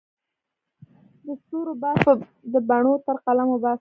د ستورو بار به د بڼو تر قلم وباسمه